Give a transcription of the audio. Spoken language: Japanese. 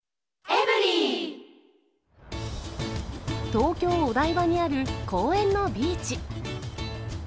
東京・お台場にある公園のビーチ。